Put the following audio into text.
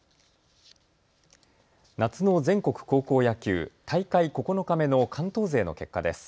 夏の全国高校野球、大会９日目の関東勢の結果です。